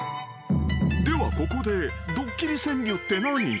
［ではここで「ドッキリ川柳って何？」］